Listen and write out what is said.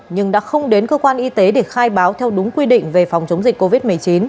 nhưng đã không đến cơ quan y tế để khai báo theo đúng quy định về phòng chống dịch covid một mươi chín